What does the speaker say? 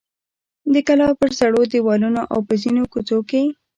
د کلا پر زړو دیوالونو او په ځینو کوڅو کې.